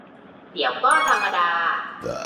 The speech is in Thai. เดี๋ยวก็ธรรมดา